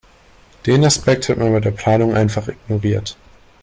Den Aspekt hat man bei der Planung einfach ignoriert.